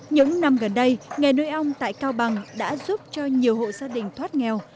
những năm gần đây nghề nuôi ong tại cao bằng đã giúp cho nhiều hộ gia đình thoát nghèo